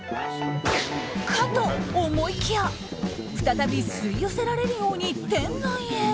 かと思いきや再び吸い寄せられるように店内へ。